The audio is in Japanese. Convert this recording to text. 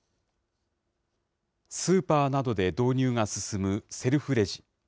スーパーなどで導入が進むセルフレジ。